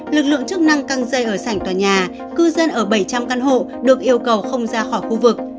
lực lượng chức năng căng dây ở sảnh tòa nhà cư dân ở bảy trăm linh căn hộ được yêu cầu không ra khỏi khu vực